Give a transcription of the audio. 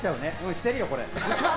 してるよ、これ。